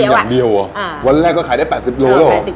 เส้นอย่างเดียววันแรกก็ขายได้๘๐โล